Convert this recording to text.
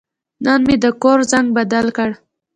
نن مې د کور زنګ بدل کړ.